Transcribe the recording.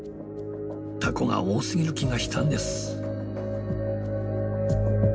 タコが多すぎる気がしたんです。